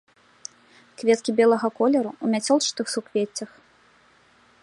Кветкі белага колеру, у мяцёлчатых суквеццях.